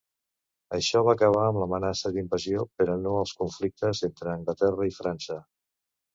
Això va acabar amb l'amenaça d'invasió, però no els conflictes entre Anglaterra i França.